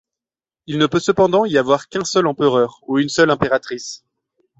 Il ne peut cependant y avoir qu'un seul empereur ou une seule impératrice.